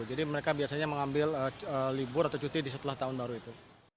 jadi mereka biasanya mengambil libur atau cuti di setelah tahun baru itu